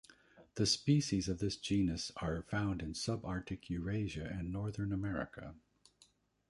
The species of this genus are found in Subarctic Eurasia and Northern America.